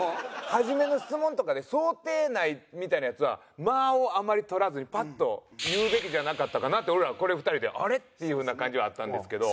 初めの質問とかで想定内みたいなやつは間をあまり取らずにパッと言うべきじゃなかったかなって俺らはこれ２人であれ？っていう風な感じはあったんですけど。